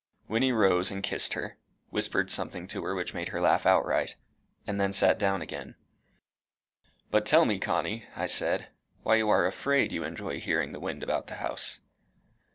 Wynnie rose and kissed her, whispered something to her which made her laugh outright, and then sat down again. "But tell me, Connie," I said, "why you are afraid you enjoy hearing the wind about the house."